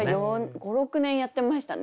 ５６年やってましたね。